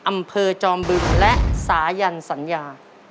อำเภอจอมบึงและสายันสัญญา